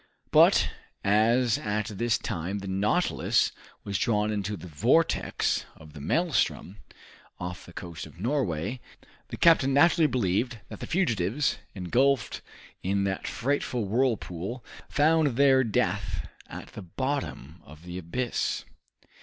But as at this time the "Nautilus" was drawn into the vortex of the maelstrom, off the coast of Norway, the captain naturally believed that the fugitives, engulfed in that frightful whirlpool, found their death at the bottom of the abyss.